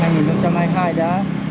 năm hai nghìn hai mươi hai đã